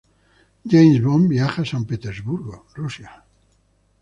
James Bond viaja a San Petersburgo, Rusia.